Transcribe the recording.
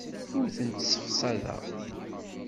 Ur tent-ssefsadeɣ.